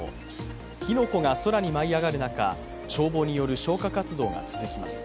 火の粉が空に舞い上がる中、消防による消火活動が続きます。